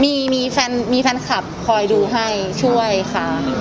มีมีแฟนมีแฟนคลับคอยดูให้ช่วยค่ะ